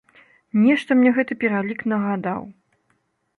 Нешта мне гэты пералік нагадаў.